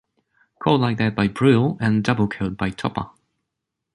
Called like that by Breuil and “Double Coat” by Topper.